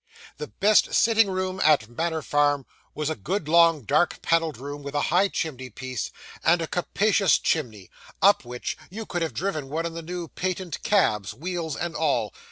The best sitting room at Manor Farm was a good, long, dark panelled room with a high chimney piece, and a capacious chimney, up which you could have driven one of the new patent cabs, wheels and all.